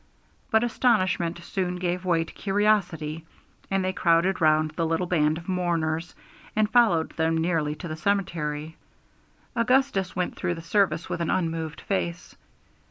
But astonishment soon gave way to curiosity, and they crowded round the little band of mourners, and followed them nearly to the cemetery. Augustus went through the service with an unmoved face.